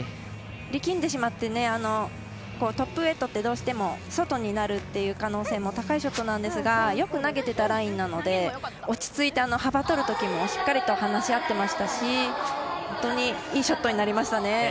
力んでしまってトップウエットって外になるっていう可能性も高いショットなんですがよく投げてたラインなので落ち着いて幅とるときもしっかりと話し合ってましたし本当にいいショットになりましたね。